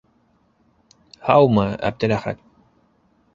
Һаумы, Әптеләхәт!